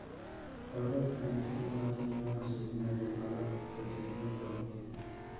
Albert Einstein no tenía una sobrina llamada Catherine Boyd.